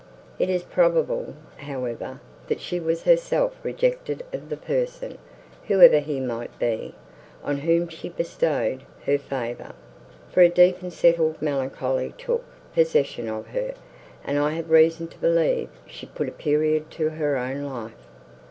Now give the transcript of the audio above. It is probable, however, that she was herself rejected of the person, whoever he might be, on whom she bestowed her favour, for a deep and settled melancholy took possession of her; and I have reason to believe she put a period to her own life.